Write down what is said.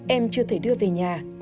em chưa thể đưa về nhà